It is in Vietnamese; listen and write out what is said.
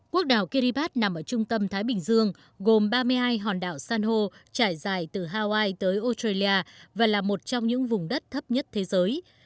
quốc đảo kribat nằm ở trung tâm thái bình dương gồm ba mươi hai hòn đảo san hô trải dài từ hawaii tới australia và là một trong những vùng đất thấp nhất thế giới